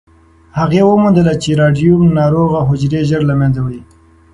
هغې وموندله چې راډیوم ناروغ حجرې ژر له منځه وړي.